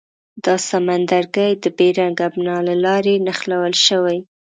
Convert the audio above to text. دا سمندرګي د بیرنګ ابنا له لارې نښلول شوي.